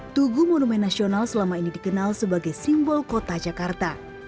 tugu monumen nasional selama ini dikenal sebagai simbol kota jakarta